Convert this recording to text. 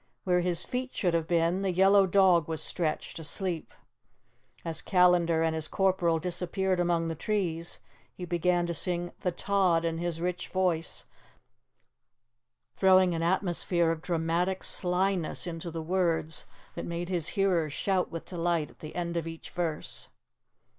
Where his feet should have been, the yellow dog was stretched, asleep. As Callandar and his corporal disappeared among the trees, he began to sing 'The Tod' in his rich voice, throwing an atmosphere of dramatic slyness into the words that made his hearers shout with delight at the end of each verse.